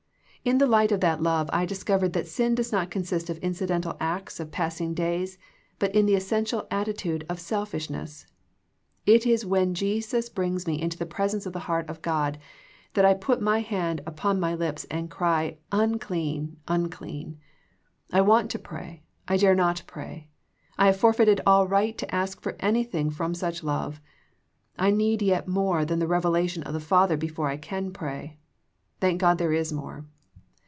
In the light of that love I discovered that sin does not consist in incidental acts of passing days, but in the es sential attitude of selfishness. It is when Jesus brings me into the presence of the heart of God that I put my hand upon my lips and cry. Un clean, unclean. I want to pray. I dare not pray. I have forfeited all right to ask for any thing from such love. I need yet more than the revelation of the Father before I can pray. Thank God there is more.